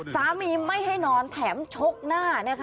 สามีไม่ให้นอนแถมชกหน้านะคะ